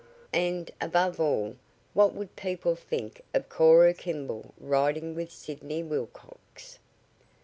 And, above all, what would people think of Cora Kimball riding with Sidney Wilcox?